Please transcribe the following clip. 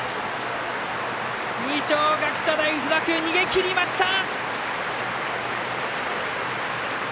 二松学舎大付属逃げきりました！